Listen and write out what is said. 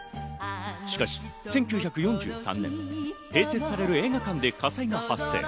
しかし１９４３年、併設される映画館で火災が発生。